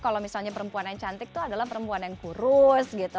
kalau misalnya perempuan yang cantik tuh adalah perempuan yang kurus gitu